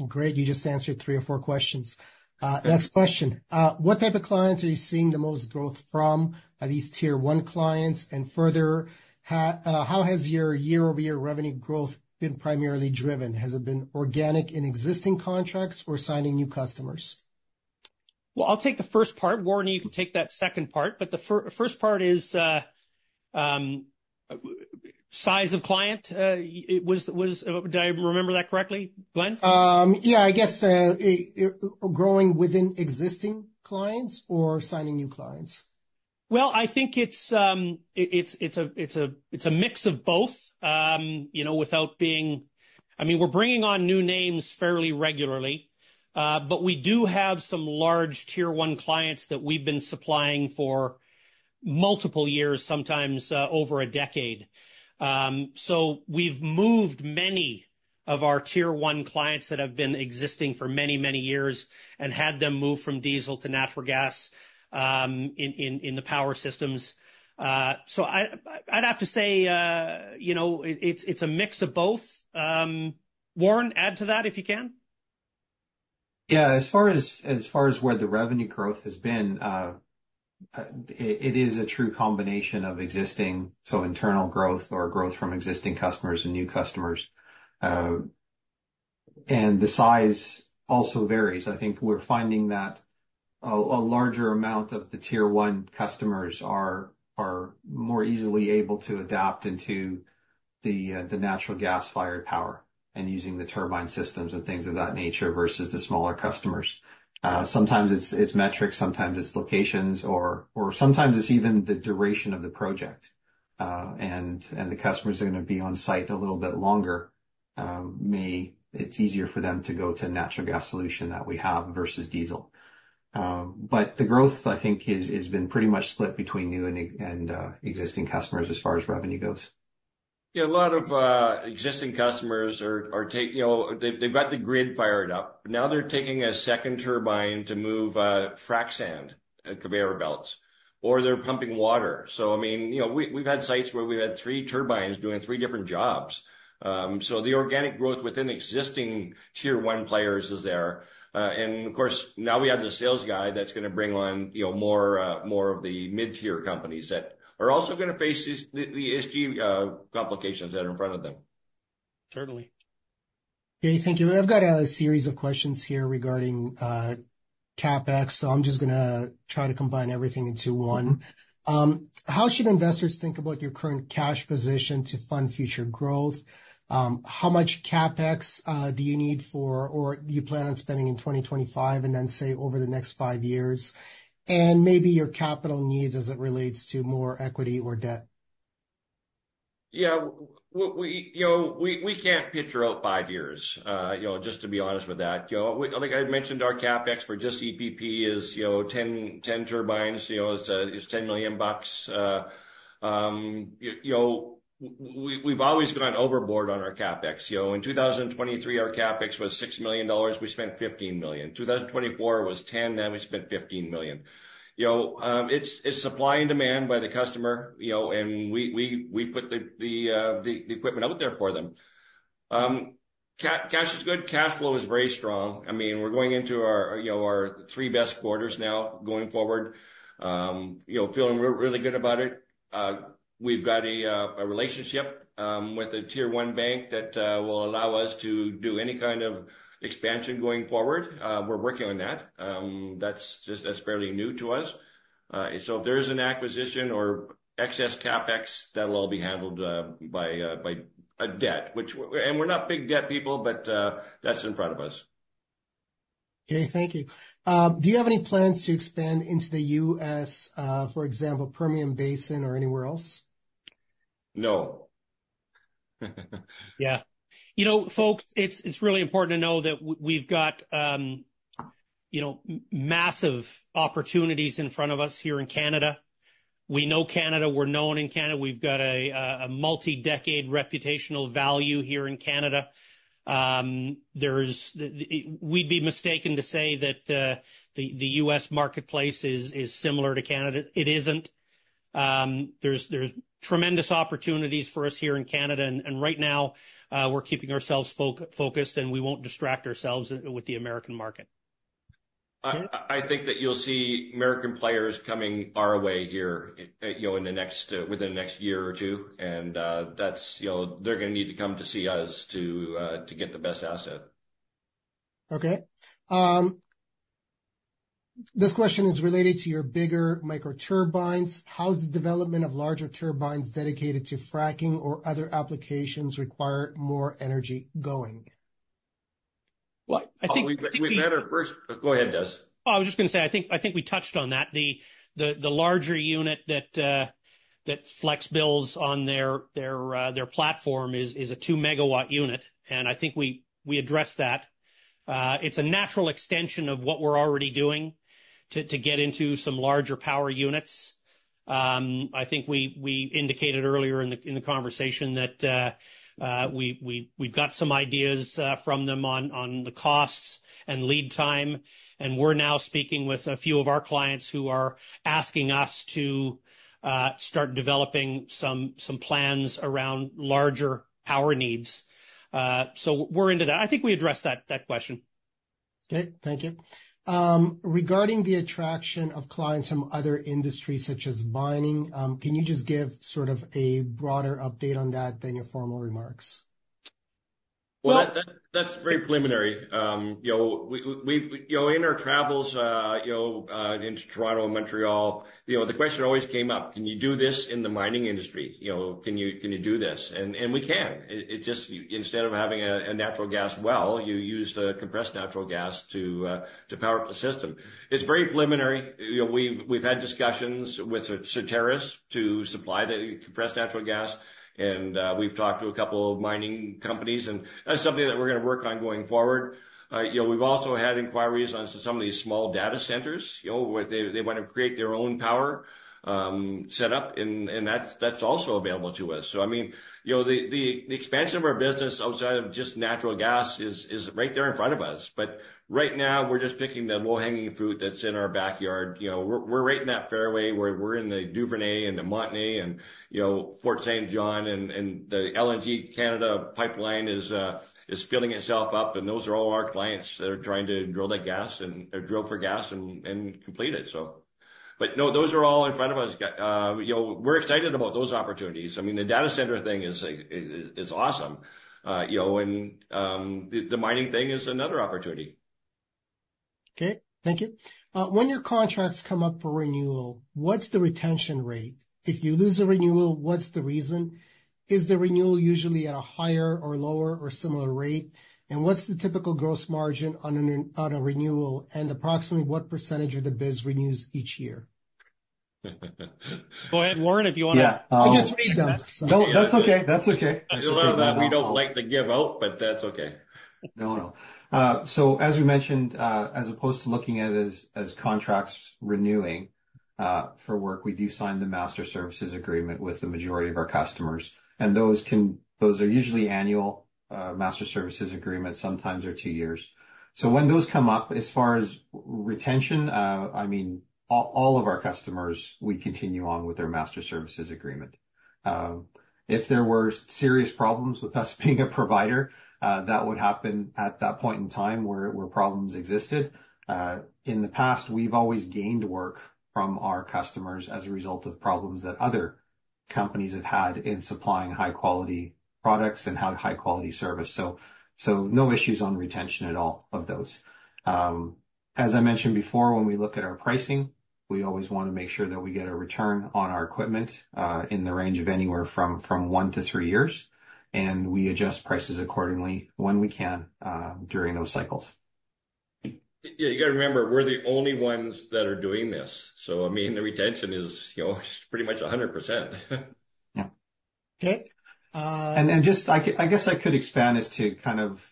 Great. You just answered three or four questions. Next question. What type of clients are you seeing the most growth from? Are these tier one clients? And further, how has your year-over-year revenue growth been primarily driven? Has it been organic in existing contracts or signing new customers? Well, I'll take the first part. Warren, you can take that second part. But the first part is size of client. Did I remember that correctly, Glen? Yeah. I guess growing within existing clients or signing new clients? I think it's a mix of both without being I mean, we're bringing on new names fairly regularly, but we do have some large tier one clients that we've been supplying for multiple years, sometimes over a decade. So we've moved many of our tier one clients that have been existing for many, many years and had them move from diesel to natural gas in the power systems. So I'd have to say it's a mix of both. Warren, add to that if you can. Yeah. As far as where the revenue growth has been, it is a true combination of existing, so internal growth or growth from existing customers and new customers. And the size also varies. I think we're finding that a larger amount of the tier one customers are more easily able to adapt into the natural gas-fired power and using the turbine systems and things of that nature versus the smaller customers. Sometimes it's metrics, sometimes it's locations, or sometimes it's even the duration of the project, and the customers are going to be on-site a little bit longer. It's easier for them to go to natural gas solution that we have versus diesel, but the growth, I think, has been pretty much split between new and existing customers as far as revenue goes. Yeah. A lot of existing customers, they've got the rig fired up. Now they're taking a second turbine to move frac sand at carrier belts, or they're pumping water. So I mean, we've had sites where we've had three turbines doing three different jobs. So the organic growth within existing tier one players is there. And of course, now we have the sales guy that's going to bring on more of the mid-tier companies that are also going to face the ESG complications that are in front of them. Certainly. Okay. Thank you. We've got a series of questions here regarding CapEx. So I'm just going to try to combine everything into one. How should investors think about your current cash position to fund future growth? How much CapEx do you need for or do you plan on spending in 2025 and then, say, over the next five years? And maybe your capital needs as it relates to more equity or debt? Yeah. We can't project out five years, just to be honest with that. Like I mentioned, our CapEx for just EPP is 10 turbines. It's 10 million bucks. We've always gone overboard on our CapEx. In 2023, our CapEx was 6 million dollars. We spent 15 million. 2024 was 10. Now we spent 15 million. It's supply and demand by the customer. And we put the equipment out there for them. Cash is good. Cash flow is very strong. I mean, we're going into our three best quarters now going forward, feeling really good about it. We've got a relationship with a tier one bank that will allow us to do any kind of expansion going forward. We're working on that. That's fairly new to us. So if there's an acquisition or excess CapEx, that'll all be handled by a debt. And we're not big debt people, but that's in front of us. Okay. Thank you. Do you have any plans to expand into the U.S., for example, Permian Basin or anywhere else? No. Yeah. Folks, it's really important to know that we've got massive opportunities in front of us here in Canada. We know Canada. We're known in Canada. We've got a multi-decade reputational value here in Canada. We'd be mistaken to say that the U.S. marketplace is similar to Canada. It isn't. There's tremendous opportunities for us here in Canada, and right now, we're keeping ourselves focused, and we won't distract ourselves with the American market. I think that you'll see American players coming our way here within the next year or two, and they're going to need to come to see us to get the best asset. Okay. This question is related to your bigger microturbines. How is the development of larger turbines dedicated to fracking or other applications require more energy going? Well, I think we met our first go ahead, Des. Oh, I was just going to say, I think we touched on that. The larger unit that Flex builds on their platform is a two-megawatt unit. And I think we addressed that. It's a natural extension of what we're already doing to get into some larger power units. I think we indicated earlier in the conversation that we've got some ideas from them on the costs and lead time. And we're now speaking with a few of our clients who are asking us to start developing some plans around larger power needs. So we're into that. I think we addressed that question. Okay. Thank you. Regarding the attraction of clients from other industries such as mining, can you just give sort of a broader update on that than your formal remarks? Well, that's very preliminary. In our travels into Toronto and Montreal, the question always came up, "Can you do this in the mining industry? Can you do this?" And we can. Instead of having a natural gas well, you use the compressed natural gas to power up the system. It's very preliminary. We've had discussions with Certarus to supply the compressed natural gas. And we've talked to a couple of mining companies. And that's something that we're going to work on going forward. We've also had inquiries on some of these small data centers where they want to create their own power setup. And that's also available to us. So I mean, the expansion of our business outside of just natural gas is right there in front of us. But right now, we're just picking the low-hanging fruit that's in our backyard. We're right in that fairway. We're in the Duvernay and the Montney and Fort St. John. The LNG Canada pipeline is filling itself up. Those are all our clients that are trying to drill for gas and complete it, so. But no, those are all in front of us. We're excited about those opportunities. I mean, the data center thing is awesome. The mining thing is another opportunity. Okay. Thank you. When your contracts come up for renewal, what's the retention rate? If you lose a renewal, what's the reason? Is the renewal usually at a higher or lower or similar rate? What's the typical gross margin on a renewal? Approximately what percentage of the biz renews each year? Go ahead, Warren, if you want to. Yeah. I just need that. That's okay. That's okay. I feel like we don't like to give out, but that's okay. No, no. As we mentioned, as opposed to looking at it as contracts renewing for work, we do sign the master services agreement with the majority of our customers. And those are usually annual master services agreements, sometimes one or two years. So when those come up, as far as retention, I mean, all of our customers, we continue on with their master services agreement. If there were serious problems with us being a provider, that would happen at that point in time where problems existed. In the past, we've always gained work from our customers as a result of problems that other companies have had in supplying high-quality products and high-quality service. So no issues on retention at all of those. As I mentioned before, when we look at our pricing, we always want to make sure that we get a return on our equipment in the range of anywhere from one to three years. And we adjust prices accordingly when we can during those cycles. Yeah. You got to remember, we're the only ones that are doing this. So I mean, the retention is pretty much 100%. Yeah. Okay. And I guess I could expand as to kind of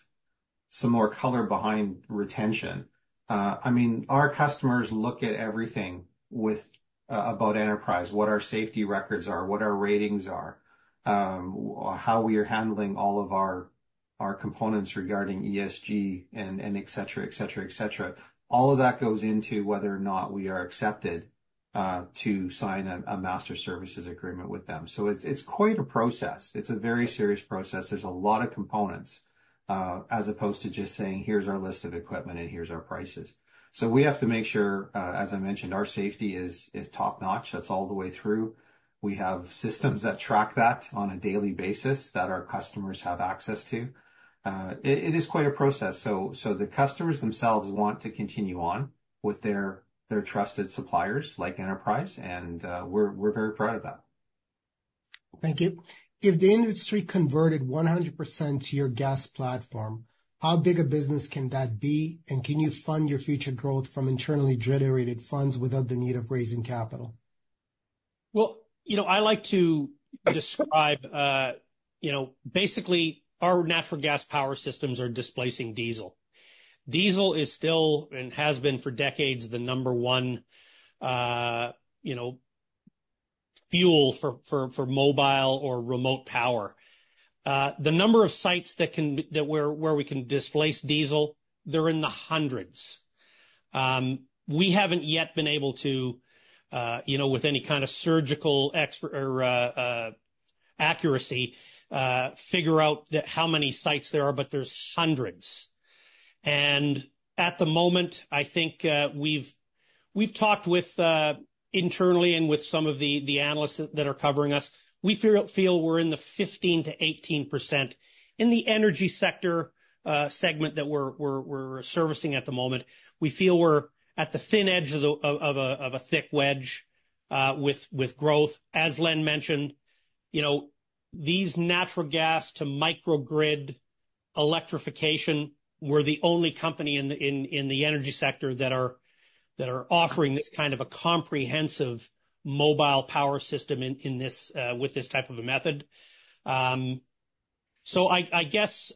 some more color behind retention. I mean, our customers look at everything about Enterprise, what our safety records are, what our ratings are, how we are handling all of our components regarding ESG, and etc., etc., etc. All of that goes into whether or not we are accepted to sign a master services agreement with them. So it's quite a process. It's a very serious process. There's a lot of components as opposed to just saying, "Here's our list of equipment, and here's our prices." So we have to make sure, as I mentioned, our safety is top-notch. That's all the way through. We have systems that track that on a daily basis that our customers have access to. It is quite a process. So the customers themselves want to continue on with their trusted suppliers like Enterprise. And we're very proud of that. Thank you. If the industry converted 100% to your gas platform, how big a business can that be? And can you fund your future growth from internally generated funds without the need of raising capital? Well, I like to describe basically our natural gas power systems are displacing diesel. Diesel is still and has been for decades the number one fuel for mobile or remote power. The number of sites where we can displace diesel, they're in the hundreds. We haven't yet been able to, with any kind of surgical accuracy, figure out how many sites there are, but there's hundreds, and at the moment, I think we've talked internally and with some of the analysts that are covering us. We feel we're in the 15%-18% in the energy sector segment that we're servicing at the moment. We feel we're at the thin edge of a thick wedge with growth. As Len mentioned, these natural gas to microgrid electrification, we're the only company in the energy sector that are offering this kind of a comprehensive mobile power system with this type of a method, so I guess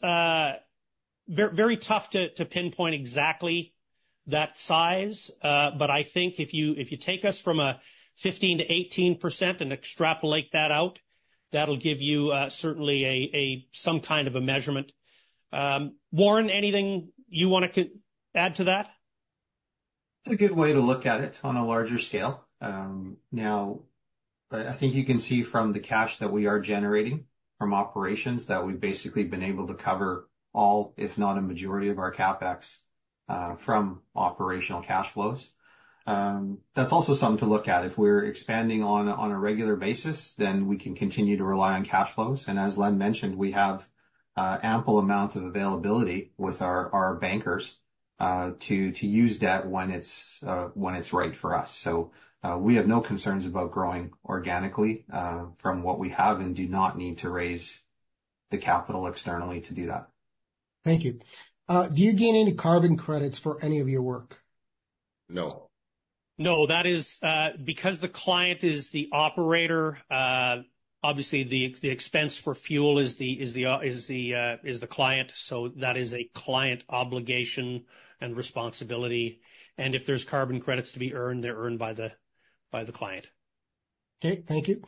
very tough to pinpoint exactly that size. But I think if you take us from a 15%-18% and extrapolate that out, that'll give you certainly some kind of a measurement. Warren, anything you want to add to that? It's a good way to look at it on a larger scale. Now, I think you can see from the cash that we are generating from operations that we've basically been able to cover all, if not a majority of our CapEx from operational cash flows. That's also something to look at. If we're expanding on a regular basis, then we can continue to rely on cash flows. And as Len mentioned, we have ample amounts of availability with our bankers to use debt when it's right for us. So we have no concerns about growing organically from what we have and do not need to raise the capital externally to do that. Thank you. Do you gain any carbon credits for any of your work? No. No, that is because the client is the operator. Obviously, the expense for fuel is the client. So that is a client obligation and responsibility. And if there's carbon credits to be earned, they're earned by the client. Okay. Thank you.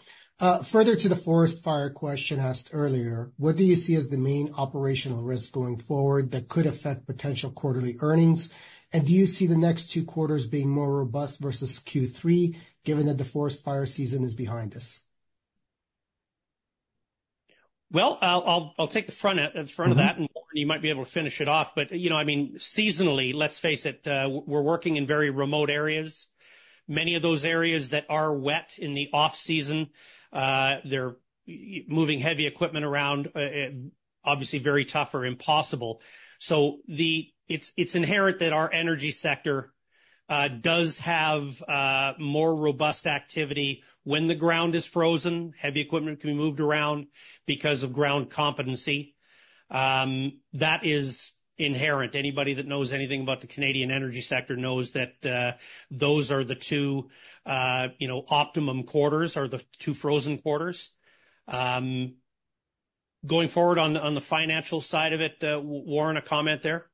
Further to the forest fire question asked earlier, what do you see as the main operational risk going forward that could affect potential quarterly earnings? And do you see the next two quarters being more robust versus Q3, given that the forest fire season is behind us? Well, I'll take the front of that. And Warren, you might be able to finish it off. But I mean, seasonally, let's face it, we're working in very remote areas. Many of those areas that are wet in the off-season, they're moving heavy equipment around, obviously very tough or impossible. It's inherent that our energy sector does have more robust activity. When the ground is frozen, heavy equipment can be moved around because of ground competency. That is inherent. Anybody that knows anything about the Canadian energy sector knows that those are the two optimum quarters or the two frozen quarters. Going forward on the financial side of it, Warren, a comment there?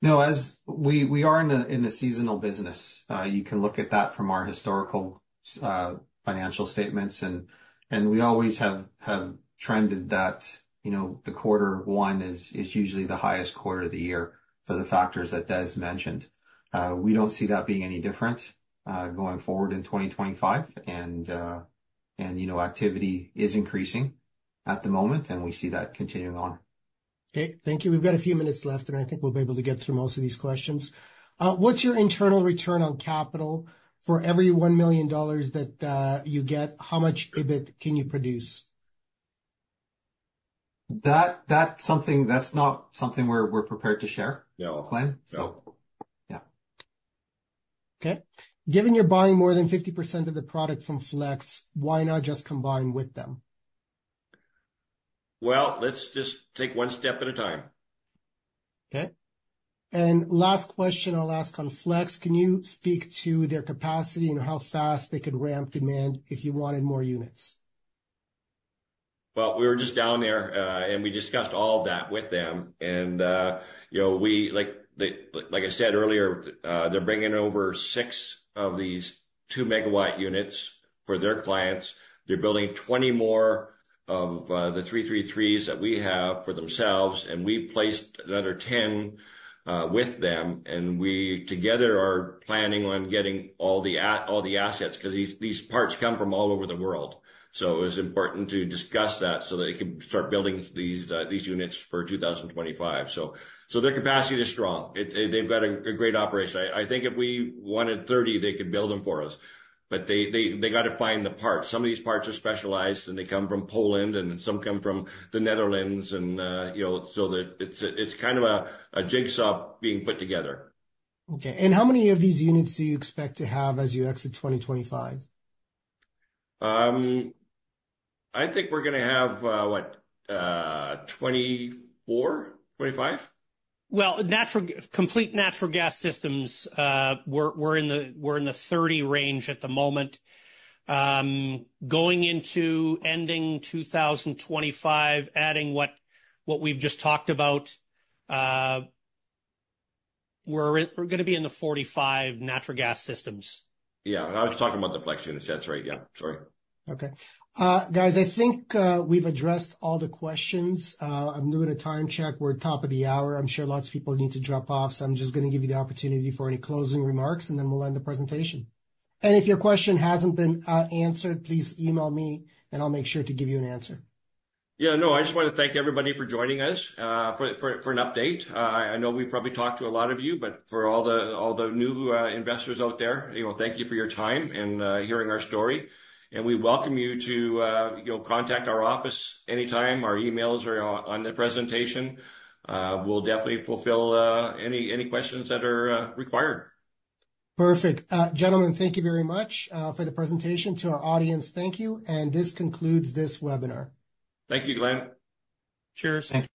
No, we are in the seasonal business. You can look at that from our historical financial statements. We always have trended that quarter one is usually the highest quarter of the year for the factors that Des mentioned. We don't see that being any different going forward in 2025. Activity is increasing at the moment. We see that continuing on. Okay. Thank you. We've got a few minutes left, and I think we'll be able to get through most of these questions. What's your internal return on capital? For every 1 million dollars that you get, how much EBIT can you produce? That's not something we're prepared to share our plan, so. Yeah. Okay. Given you're buying more than 50% of the product from Flex, why not just combine with them? Well, let's just take one step at a time. Okay. And last question I'll ask on Flex. Can you speak to their capacity and how fast they could ramp demand if you wanted more units? Well, we were just down there, and we discussed all of that with them. And like I said earlier, they're bringing over six of these two-megawatt units for their clients. They're building 20 more of the 333s that we have for themselves. And we placed another 10 with them. Together, we are planning on getting all the assets because these parts come from all over the world. So it was important to discuss that so that they could start building these units for 2025. So their capacity is strong. They've got a great operation. I think if we wanted 30, they could build them for us. But they got to find the parts. Some of these parts are specialized, and they come from Poland, and some come from the Netherlands. And so it's kind of a jigsaw being put together. Okay. And how many of these units do you expect to have as you exit 2025? I think we're going to have, what, 24, 25? Well, complete natural gas systems, we're in the 30 range at the moment. Going into ending 2025, adding what we've just talked about, we're going to be in the 45 natural gas systems. Yeah. I was talking about the Flex units. That's right. Yeah. Sorry. Okay. Guys, I think we've addressed all the questions. I'm doing a time check. We're at the top of the hour. I'm sure lots of people need to drop off. So I'm just going to give you the opportunity for any closing remarks, and then we'll end the presentation. And if your question hasn't been answered, please email me, and I'll make sure to give you an answer. Yeah. No, I just want to thank everybody for joining us for an update. I know we probably talked to a lot of you, but for all the new investors out there, thank you for your time and hearing our story. And we welcome you to contact our office anytime. Our emails are on the presentation. We'll definitely fulfill any questions that are required. Perfect.Gentlemen, thank you very much for the presentation to our audience. Thank you. And this concludes this webinar. Thank you, Glen. Cheers. Thank.